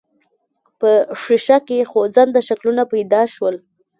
په ښيښه کې خوځنده شکلونه پيدا شول.